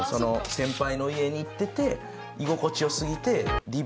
先輩の家に行ってて居心地良すぎて。